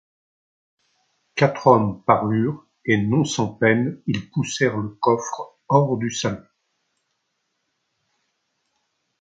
Quatre homme parurent, et non sans peine ils poussèrent le coffre hors du salon.